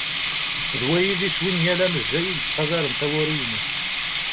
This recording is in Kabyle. D wagi i d iswi n yal amejjay i yettqadaren tawuri-ines.